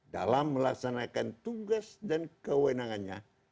dalam melaksanakan tugas dan kewenangannya